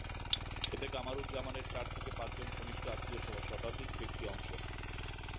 এতে কামারুজ্জামানের চার থেকে পাঁচজন ঘনিষ্ঠ আত্মীয়সহ শতাধিক ব্যক্তি অংশ নেন।